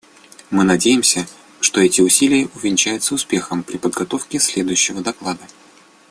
Мы надеемся, что эти усилия увенчаются успехом при подготовке следующего доклада.